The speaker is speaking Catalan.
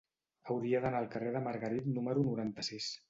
Hauria d'anar al carrer de Margarit número noranta-sis.